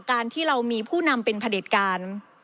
การที่เรามีผู้นำเป็นพระเด็จการ